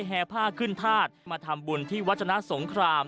แห่ผ้าขึ้นธาตุมาทำบุญที่วัฒนาสงคราม